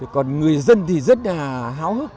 còn người dân thì rất là háo hức